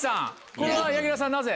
これは柳楽さんなぜ？